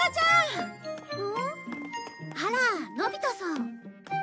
あらのび太さん。